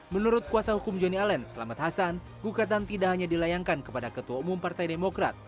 menurut kuasa hukum joni allen selamat hasan gugatan tidak hanya dilayangkan kepada ketua umum partai demokrat